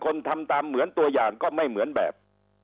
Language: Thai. ทำตามเหมือนตัวอย่างก็ไม่เหมือนแบบ